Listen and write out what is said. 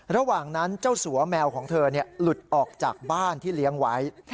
ระหว่างนั้นเจ้าสัวแมวของเธอหลุดออกจากบ้านที่เลี้ยงไว้